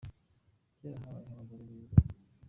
Kera habayeho abagore beza.